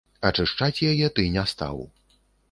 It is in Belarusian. Ачышчаць яе ты не стаў.